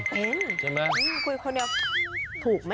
คุยคนเดียวถูกมั้ย